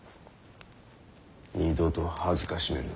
二度と辱めるな。